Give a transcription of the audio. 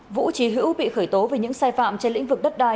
vũ trì hữu bị khởi tố vì những sai phạm trên lĩnh vực đất đai